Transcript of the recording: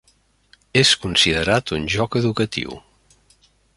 És considerat un joc educatiu.